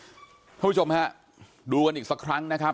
คุณผู้ชมฮะดูกันอีกสักครั้งนะครับ